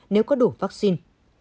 nếu có đủ vắc xin